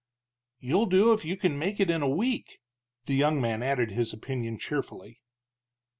"You'll do if you can make it in a week," the young man added his opinion cheerfully.